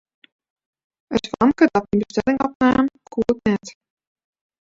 It famke dat myn bestelling opnaam, koe ik net.